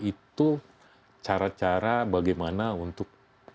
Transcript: itu cara cara bagaimana untuk